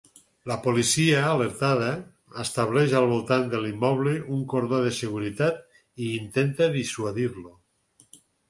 La policia, alertada, estableix al voltant de l'immoble un cordó de seguretat i intenta dissuadir-lo.